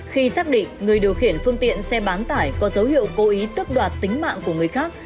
khi xác định người điều khiển phương tiện xe bán tải có dấu hiệu cố ý tước đoạt tính mạng của người khác